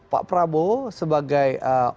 pak prabowo sebagai